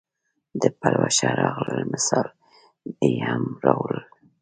د پلوشه راغلل مثال یې هم راووړ.